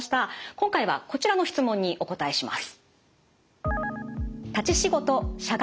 今回はこちらの質問にお答えします。